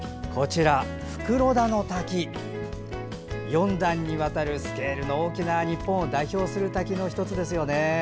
袋田の滝、４段にわたるスケールの大きな日本を代表する滝の１つですよね。